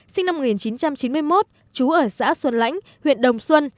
sinh năm một nghìn chín trăm chín mươi một trú ở xã xuân lãnh huyện đồng xuân